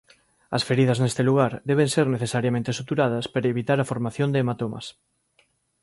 As feridas neste lugar deben ser necesariamente suturadas para evitar a formación de hematomas.